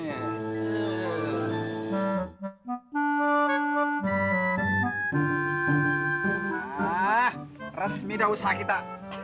ah resmi udah usaha kita